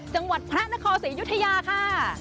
จังหวัดพระนครศรีอยุธยาค่ะ